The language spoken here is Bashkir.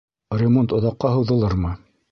Ремонт оҙаҡҡа һуҙылырмы?